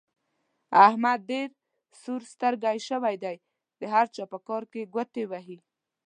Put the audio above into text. احمد ډېر سور سترګی شوی دی؛ د هر چا په کار کې ګوتې وهي.